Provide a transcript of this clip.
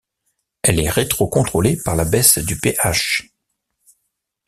Elle est rétro-contrôlée par la baisse du pH.